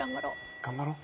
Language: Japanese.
頑張ろう。